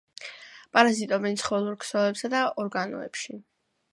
პარაზიტობენ ცხოველურ ქსოვილებსა და ორგანოებში.